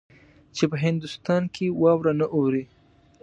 چې په هندوستان کې واوره نه اوري.